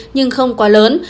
nhưng không quá lớn